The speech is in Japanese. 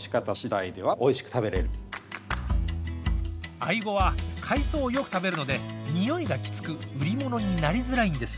アイゴは海藻をよく食べるのでにおいがきつく売り物になりづらいんです。